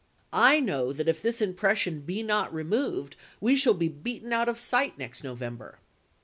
I know that if this impression be not removed we shall be beaten out of sight next November.